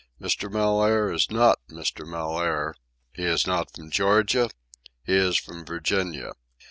Mr. Mellaire is not Mr. Mellaire. He is not from Georgia. He is from Virginia.